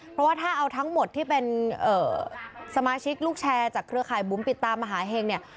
เพราะว่าถ้าเอาทั้งหมดที่เป็นสมาชิกลูกแชร์จากเครือข่ายบุ๋มปิดตามหาเห็งเนี่ย